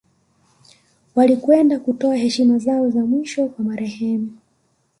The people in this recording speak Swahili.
Walikwenda kutoa heshima zao za mwisho kwa marehemu